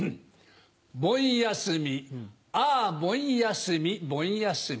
盆休みああ盆休み盆休み。